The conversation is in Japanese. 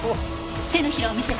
手のひらを見せて。